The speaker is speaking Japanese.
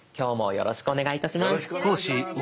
よろしくお願いします。